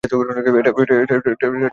এটা কত করে?